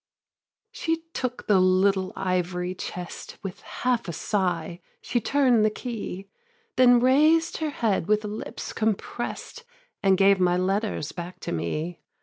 3. She took the little ivory chest, With half a sigh she turn'd the key, Then raised her head with lips comprest, And gave my letters back to me.